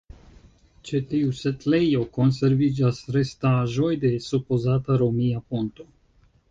Ĉe tiu setlejo konserviĝas restaĵoj de supozata romia ponto.